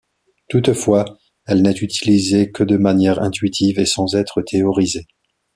Toutefois, elle n’est utilisée que de manière intuitive sans être théorisée.